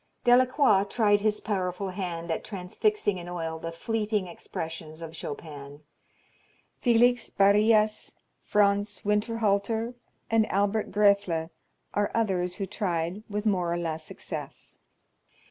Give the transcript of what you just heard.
Delacroix tried his powerful hand at transfixing in oil the fleeting expressions of Chopin. Felix Barrias, Franz Winterhalter, and Albert Graefle are others who tried with more or less success.